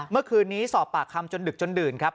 เมื่อคืนนี้สอบปากคำจนดึกจนดื่นครับ